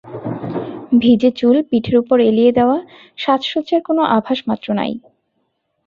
ভিজে চুল পিঠের উপর এলিয়ে দেওয়া– সাজসজ্জার কোনো আভাসমাত্র নেই।